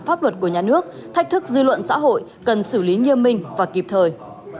pháp luật của nhà nước thách thức dư luận xã hội cần xử lý nghiêm minh và kịp thời